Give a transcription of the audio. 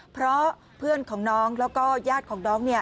เพราะเพื่อนของน้องแล้วก็ญาติของน้องเนี่ย